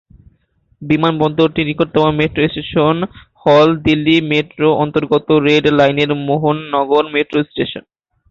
বিমানবন্দরটির নিকটতম metro station হ'ল দিল্লি মেট্রোর অন্তর্গত রেড লাইনের মোহন নগর মেট্রো স্টেশন।